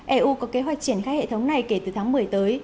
eu có kế hoạch triển khai hệ thống này kể từ tháng một mươi tới